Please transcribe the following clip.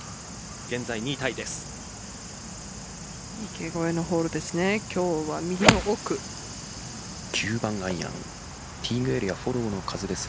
現在２位タイです。